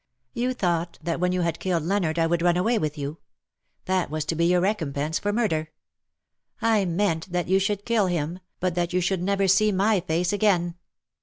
You thought that when you had killed Leonard I would run away with you. That was to be your recompense for murder. I meant that you should kill him, but that you should never see my face again.